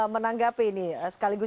menanggapi ini sekaligus